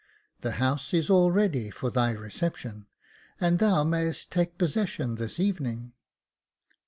The house is all ready for thy reception, and thou mayest take possession this evening."